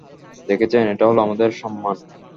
দেখেছেন, এটা হলো আমাদের সম্মান।